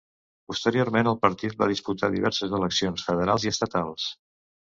Posteriorment, el partit va disputar diverses eleccions federals i estatals.